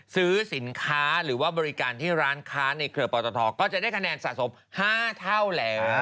ซื้อสินค้าหรือว่าบริการที่ร้านค้าในเครือปอตทก็จะได้คะแนนสะสม๕เท่าแล้ว